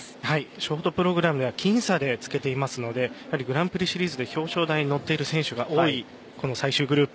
ショートプログラムでは僅差でつけていますのでグランプリシリーズで表彰台に乗っている選手が多いこの最終グループ。